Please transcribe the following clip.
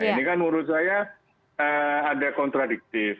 ini kan menurut saya ada kontradiktif